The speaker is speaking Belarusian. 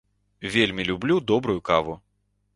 Вельмі люблю добрую каву.